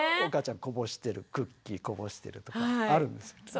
お母ちゃんこぼしてるクッキーこぼしてるとかあるんですよ。